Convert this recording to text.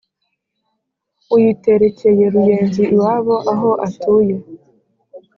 uyiterekeye ruyenzi iwabo aho atuye